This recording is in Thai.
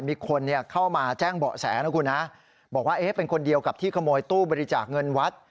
มีคนเข้ามาแจ้งเบาะแสนะคุณนะบอกว่าเป็นคนเดียวกับที่ขโมยตู้บริจาคเงินวัด